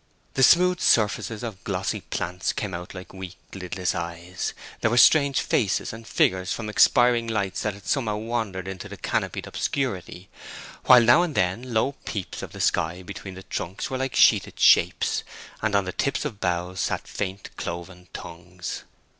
The smooth surfaces of glossy plants came out like weak, lidless eyes; there were strange faces and figures from expiring lights that had somehow wandered into the canopied obscurity; while now and then low peeps of the sky between the trunks were like sheeted shapes, and on the tips of boughs sat faint cloven tongues.